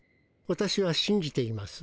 私はしんじています。